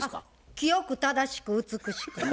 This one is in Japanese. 清く正しく美しく。